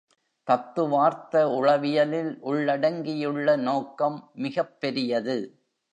தத்துவார்த்த உளவியலில் உள்ளடங்கியுள்ள நோக்கம் மிகப் பெரியது.